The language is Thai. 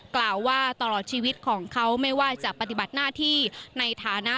กล่าวว่าตลอดชีวิตของเขาไม่ว่าจะปฏิบัติหน้าที่ในฐานะ